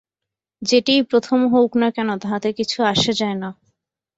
যেটিই প্রথম হউক না কেন, তাহাতে কিছু আসে যায় না।